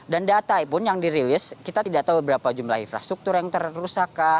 dan data pun yang dirilis kita tidak tahu berapa jumlah infrastruktur yang terusak kah